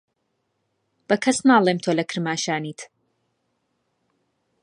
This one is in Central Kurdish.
بە کەس ناڵێم تۆ لە کرماشانیت.